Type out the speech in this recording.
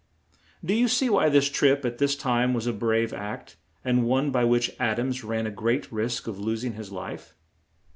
Do you see why this trip at this time was a brave act, and one by which Ad ams ran a great risk of los ing his life?